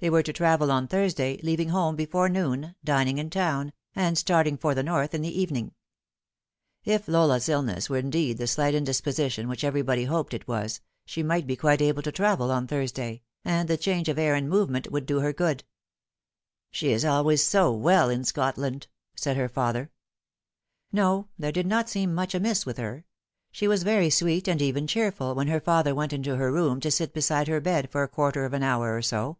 They were to travel on Thursday, leaving home before noon, dining in town, and starting for the North in the evening. If Lola's illness were indeed the slight indisposition which everybody hoped it was, she might be quite able to travel on Thursday, and the change of air and the movement would do her good. 68 The Fatal Three. " She is always so well in Scotland," said her father. No, there did not seem much amiss with her. She was very sweet, and even cheerful, when her father went into her room to sit beside her bed for a quarter of an hour or so.